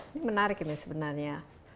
ini menarik ini sebenarnya